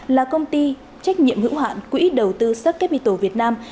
là công ty trách nhiệm hữu hạn quỹ đầu tư sắc kếp vị tổ việt nam